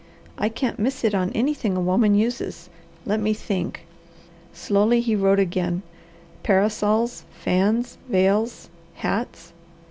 I can't miss it on anything a woman uses. Let me think!" Slowly he wrote again: Parasols. Fans. Veils. Hats.